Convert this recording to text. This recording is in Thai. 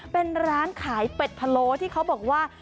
เป็นร้านขายเป็ดพะโล้ที่เขาบอกว่า